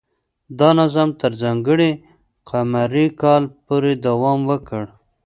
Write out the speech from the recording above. دا نظام تر ځانګړي قمري کال پورې دوام وکړ.